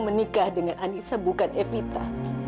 menikah dengan anissa bukan evita